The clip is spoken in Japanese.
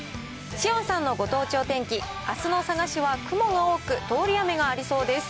しおんさんのご当地お天気、あすの佐賀市は雲が多く、通り雨がありそうです。